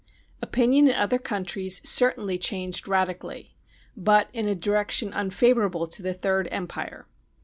Opinion in other countries certainly changed radically, but in a direction unfavourable to the Third Empire.